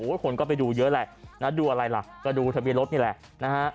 คนก็ไปดูเยอะแหละนะดูอะไรล่ะก็ดูทะเบียนรถนี่แหละนะฮะ